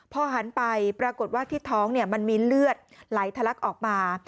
พอหันไปปรากฏว่าที่ท้องมันมีเลือดไหลทะลักออกมา